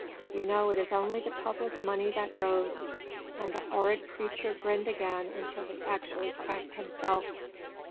You know it is only the public money that goes!' And the horrid creature grinned again till he actually cracked himself.